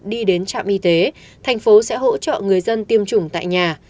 đi đến trạm y tế thành phố sẽ hỗ trợ người dân tiêm chủng tại nhà